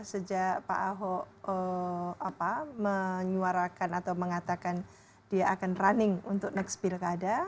sejak pak ahok menyuarakan atau mengatakan dia akan running untuk next pilkada